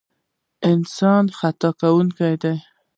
انسان خطا کوونکی دی.